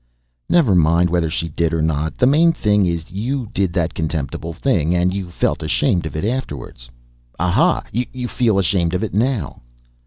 "Never mind whether she did or not. The main thing is, you did that contemptible thing. And you felt ashamed of it afterward. Aha! you feel ashamed of it now!"